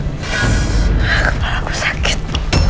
kepala aku sakit